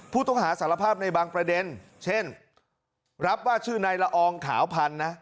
ผู้ต้องหาสารภาพในบางประเด็นเช่นรับว่าชื่อนายละอองขาวพันธุ์นะ